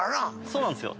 そうなんですよ。